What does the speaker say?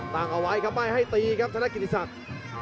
ตั้งเอาไว้ครับไม่ให้ตีครับธนกิติศักดิ์